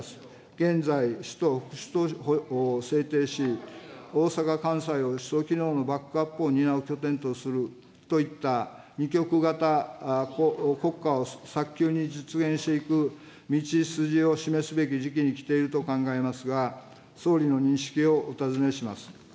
現在、首都・副首都法を制定し、大阪・関西を首都機能をバックアップを担う拠点とするといった二極型国家を早急に実現していく道筋を示すべき時期に来ていると考えますが、総理の認識をお尋ねします。